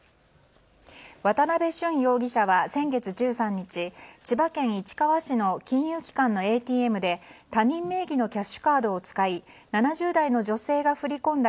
渡辺舜容疑者は先月１３日千葉県市川市の金融機関のＡＴＭで他人名義のキャッシュカードを使い７０代の女性が振り込んだ